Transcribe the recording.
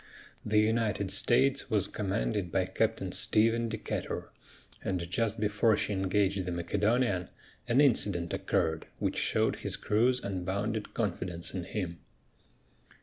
The United States was commanded by Captain Stephen Decatur, and just before she engaged the Macedonian an incident occurred which showed his crew's unbounded confidence in him.